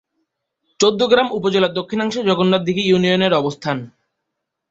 চৌদ্দগ্রাম উপজেলার দক্ষিণাংশে জগন্নাথ দীঘি ইউনিয়নের অবস্থান।